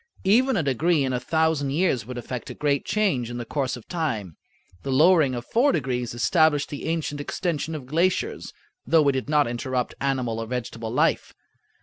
Even a degree in a thousand years would effect a great change in the course of time. The lowering of four degrees established the ancient extension of glaciers, though it did not interrupt animal or vegetable life.